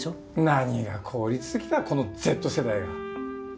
何が効率的だこのＺ世代が。